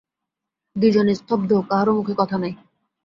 দুইজনে স্তব্ধ, কাহারও মুখে কথা নাই।